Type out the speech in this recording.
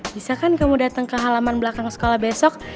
bisa kan kamu datang ke halaman belakang sekolah besok